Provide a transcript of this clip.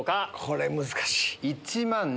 これ難しい！